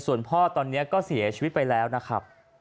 ส่วนพ่อตอนนี้ก็เสียชีวิตไปแล้วนะครับ